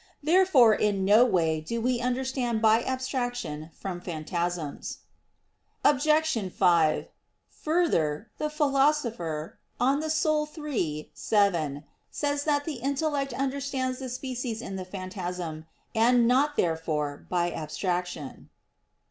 Therefore in no way do we understand by abstraction from phantasms. Obj. 5: Further, the Philosopher (De Anima iii, 7) says that "the intellect understands the species in the phantasm"; and not, therefore, by abstraction.